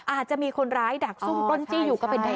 อาจจะมีคนร้ายดักซุ่มปล้นจี้อยู่ก็เป็นได้